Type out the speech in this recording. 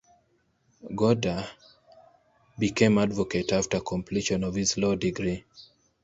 Gowda became advocate after completion of his law degree.